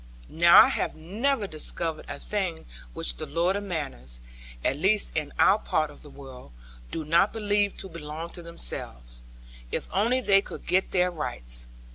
Now I have never discovered a thing which the lords of manors (at least in our part of the world) do not believe to belong to themselves, if only they could get their rights.